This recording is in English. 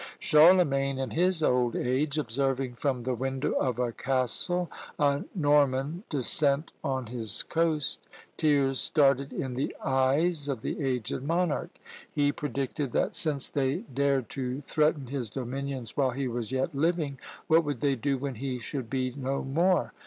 Charlemagne, in his old age, observing from the window of a castle a Norman descent on his coast, tears started in the eyes of the aged monarch. He predicted that since they dared to threaten his dominions while he was yet living, what would they do when he should be no more!